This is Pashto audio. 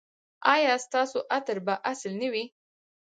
ایا ستاسو عطر به اصیل نه وي؟